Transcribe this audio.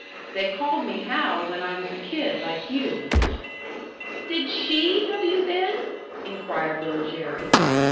"They called me Hal when I was a kid like you." "Did she know you then?" inquired Little Jerry.